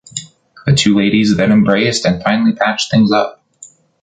The two ladies then embraced and finally patched things up.